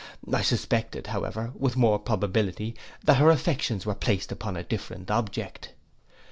I suspected, however, with more probability, that her affections were placed upon a different object.